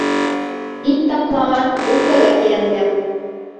Ит тапмаған үпкәгә кинәнгән